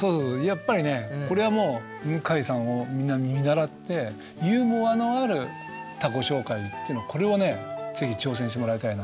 やっぱりねこれはもう向井さんをみんな見習ってユーモアのある他己紹介っていうのをこれをね是非挑戦してもらいたいなっていうふうに。